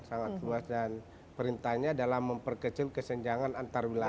sangat luas dan perintahnya adalah memperkecil kesenjangan antar wilayah